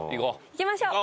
行きましょう！